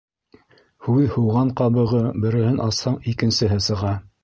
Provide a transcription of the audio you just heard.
Һүҙ һуған ҡабығы: береһен асһаң икенсеһе сыға.